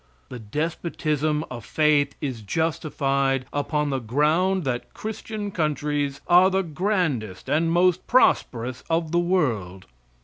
The despotism of faith is justified upon the ground that Christian countries are the grandest and most prosperous of the world.